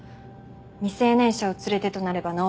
未成年者を連れてとなればなおさら。